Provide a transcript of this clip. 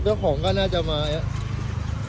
เดี๋ยวเจ้าของก็น่าจะมาเนี่ย